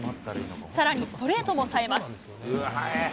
更に、ストレートもさえます。